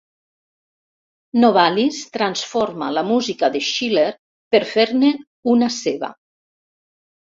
Novalis transforma la música de Schiller, per fer-ne una seva.